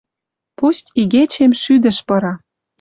Пусть игечем шӱдӹш пыра.